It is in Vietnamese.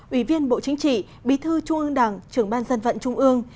ủy viên bộ chính trị bí thư trung ương đảng trưởng ban dân vận trung ương